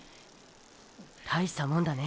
大したもんだねえ